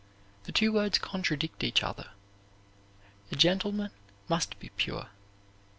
The two words contradict each other. A gentleman must be pure.